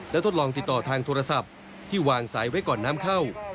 และทดลองติดต่อทางโทรศัพท์ที่วางสายไว้ก่อนน้ำเข้า